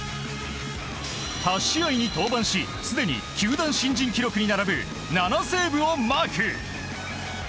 ８試合に登板しすでに球団新人記録に並ぶ７セーブをマーク。